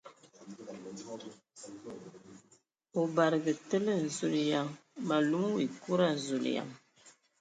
O badǝgǝ tele ! Zulǝyan ! Mǝ lum wa ekuda ! Zuleyan !